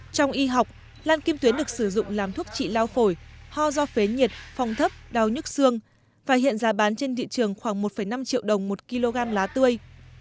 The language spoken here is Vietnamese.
trong y học lan kim tuyến được sử dụng làm thuốc trị lao phổi ho do phế nhiệt phòng thấp đau nhức xương và hiện giá bán trên thị trường khoảng một năm triệu đồng một kg lá tươi